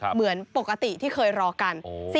เหมือนปกติที่เคยรอกัน